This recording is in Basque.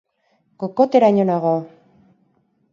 Kokoteraino nago.